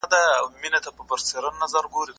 دا علم موږ ته د زغم او حوصلې درس راکوي.